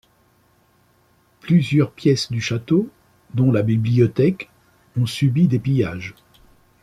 Plusieurs pièces du château, dont la bibliothèque ont subi des pillages.